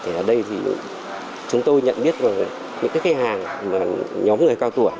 ở đây thì chúng tôi nhận biết là những cái hàng mà nhóm người cao tủa